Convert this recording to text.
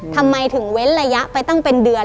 ทำไมถึงเว้นระยะไปตั้งเป็นเดือน